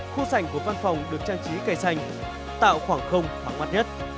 khu sảnh của văn phòng được trang trí cây xanh tạo khoảng không hoảng mắt nhất